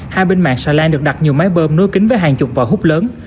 hai bên mạng xà lan được đặt nhiều máy bơm nối kính với hàng chục vòi hút lớn